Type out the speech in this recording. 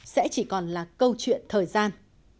sẽ chỉ còn là câu chuyện thời gian